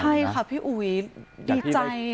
ใช่ค่ะพี่อุ๋ยดีใจ